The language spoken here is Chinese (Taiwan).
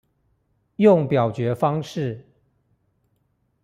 用表決方式